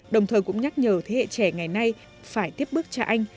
đồng thời cũng nhắc nhờ thế hệ trẻ ngày nay phải tiếp bước cho anh